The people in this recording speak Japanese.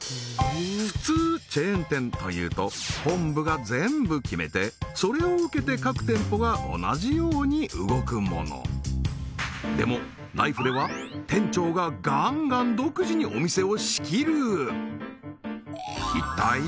普通チェーン店というと本部が全部決めてそれを受けて各店舗が同じように動くものでもライフでは店長がガンガン独自にお店を仕切る！